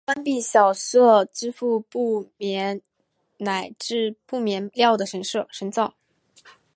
官币小社支付币帛乃至币帛料的神社。